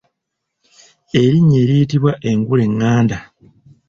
Erinnya eriyitbwa engule eηηanda.